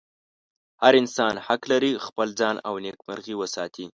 هر انسان حق لري خپل ځان او نېکمرغي وساتي.